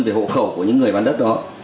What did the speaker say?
về hộ khẩu của những người bán đất đó